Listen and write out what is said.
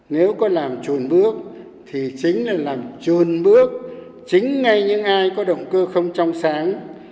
nếu có làm chuồn bước thì chính là làm chuồn bước chính ngay những ai có động cơ không trong sáng